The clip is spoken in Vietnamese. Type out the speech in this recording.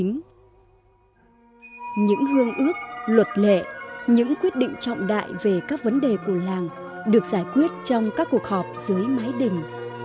những hương ước luật lệ những quyết định trọng đại về các vấn đề của làng được giải quyết trong các cuộc họp dưới mái đình